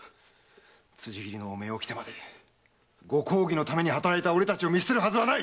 辻斬りの汚名を着てまでご公儀のために働いた俺たちを見捨てるはずはない！